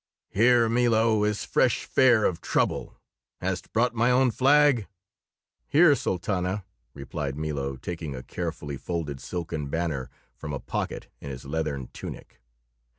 "Here, Milo, is fresh fare of trouble. Hast brought my own flag?" "Here, Sultana," replied Milo, taking a carefully folded silken banner from a pocket in his leathern tunic.